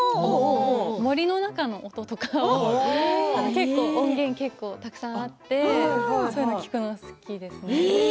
森の中の音とか結構、音源たくさんあってそういうの聴くの好きですね。